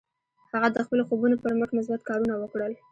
هغه د خپلو خوبونو پر مټ مثبت کارونه وکړل